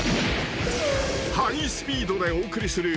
［ハイスピードでお送りする］